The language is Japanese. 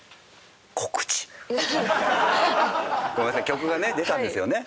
曲がね出たんですよね？